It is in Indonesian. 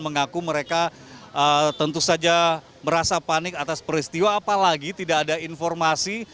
mengaku mereka tentu saja merasa panik atas peristiwa apalagi tidak ada informasi